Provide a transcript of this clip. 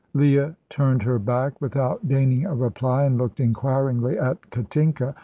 Leah turned her back without deigning a reply, and looked inquiringly at Katinka.